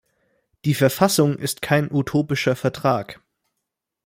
Die Verfassung ist kein utopischer Vertrag.